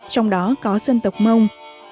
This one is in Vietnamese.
trong đó có dân tộc mông